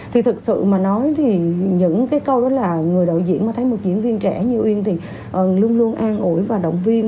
thì thực sự mà nói thì những cái câu đó là người đạo diễn mà thấy một diễn viên trẻ như uyên thì luôn luôn an ủi và động viên